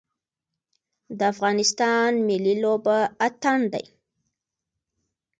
د افغانستان ملي لوبه اتن دی